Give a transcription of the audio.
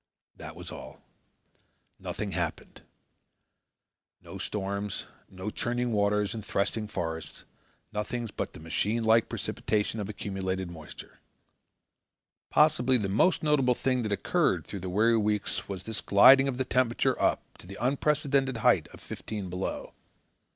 That was all. Nothing happened. No storms, no churning waters and threshing forests, nothing but the machine like precipitation of accumulated moisture. Possibly the most notable thing that occurred through the weary weeks was the gliding of the temperature up to the unprecedented height of fifteen below.